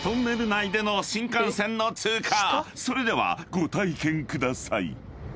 ［それではご体験ください］